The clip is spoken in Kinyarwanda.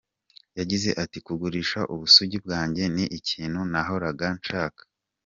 Yagize ati “ Kugurisha ubusugi bwanjye ni ikintu nahoraga nshaka.